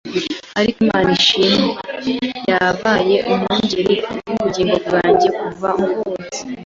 Ariko Imana ishimwe yabaye Umwungeri w’ubugingo bwanjye kuva mvutse!